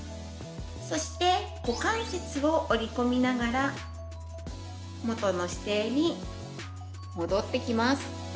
そして、股関節を折り込みながら元の姿勢に戻ってきます。